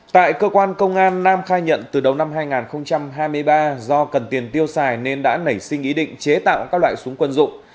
tại cơ quan công an nam khai nhận từ đầu năm hai nghìn hai mươi ba do cần tiền tiêu xài nên đã nảy sinh ý định chế tạo các loại súng quân dụng